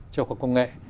cho quốc công nghệ